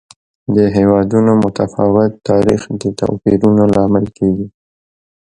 د هېوادونو متفاوت تاریخ د توپیرونو لامل کېږي.